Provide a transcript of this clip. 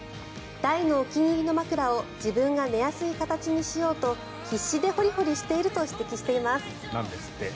大のお気に入りの枕を自分が寝やすい形にしようと必死でホリホリしていると指摘しています。